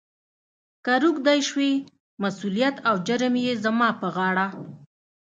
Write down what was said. « کهٔ روږدی شوې، مسولیت او جرم یې زما پهٔ غاړه. »